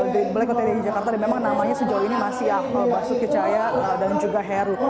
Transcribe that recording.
di balai kota di jakarta memang namanya sejauh ini masih basuk kecaya dan juga heru